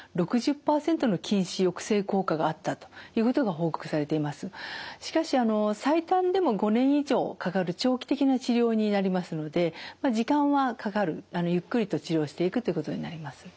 代表的なものがしかし最短でも５年以上かかる長期的な治療になりますので時間はかかるゆっくりと治療していくということになります。